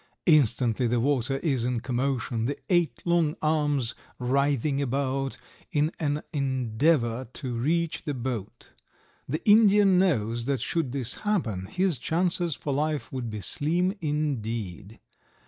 Instantly the water is in commotion, the eight long arms writhing about in an endeavor to reach the boat. The Indian knows that should this happen his chances for life would be slim indeed.